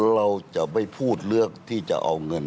เราจะไม่พูดเลือกที่จะเอาเงิน